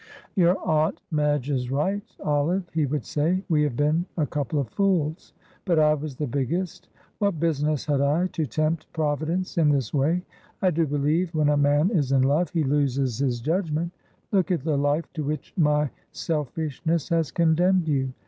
"Your Aunt Madge is right, Olive," he would say, "we have been a couple of fools; but I was the biggest. What business had I to tempt Providence in this way? I do believe when a man is in love he loses his judgment; look at the life to which my selfishness has condemned you.